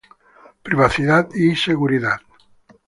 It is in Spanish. Privacidad y seguridad